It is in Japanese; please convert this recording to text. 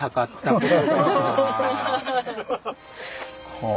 はあ。